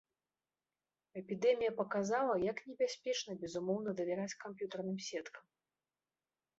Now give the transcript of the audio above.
Эпідэмія паказала, як небяспечна безумоўна давяраць камп'ютарным сеткам.